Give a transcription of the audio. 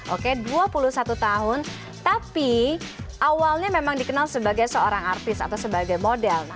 oke dua puluh satu tahun tapi awalnya memang dikenal sebagai seorang artis atau sebagai model